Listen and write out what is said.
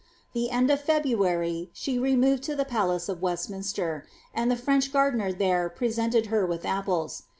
The end of February, she removed to tlie palace of Bstminsteff and the French gardener there presented her wiih apples.